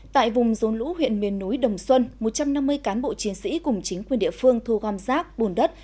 tại vùng rốn lũ huyện miền núi đồng xuân một trăm năm mươi cán bộ chiến sĩ cùng chính quyền địa phương thu gom rác bùn đất